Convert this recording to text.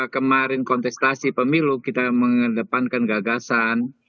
kemarin kontestasi pemilu kita mengedepankan gagasan